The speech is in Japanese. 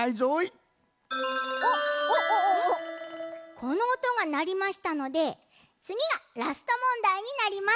このおとがなりましたのでつぎがラストもんだいになります。